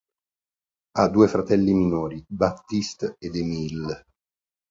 Ha due fratelli minori, Baptiste ed Émile.